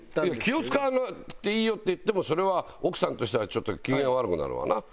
「気を使わなくていいよ」って言ってもそれは奥さんとしてはちょっと機嫌悪くなるわな。